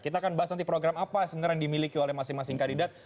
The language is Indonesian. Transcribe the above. kita akan bahas nanti program apa sebenarnya yang dimiliki oleh masing masing kandidat